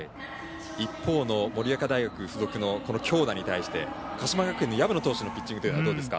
一方の盛岡大付属の強打に対して鹿島学園の薮野投手のピッチングというのはどうですか？